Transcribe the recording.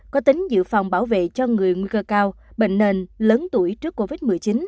có tính dự phòng bảo vệ cho người nguy cơ cao bệnh nền lớn tuổi trước covid một mươi chín